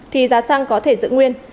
thì giá xăng có thể giữ nguyên